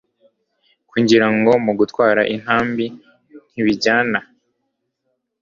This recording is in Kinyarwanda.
kugira ngo mu gutwara intambi n ibijyana